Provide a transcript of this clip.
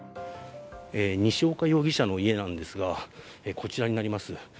西岡容疑者の家なんですがこちらになります。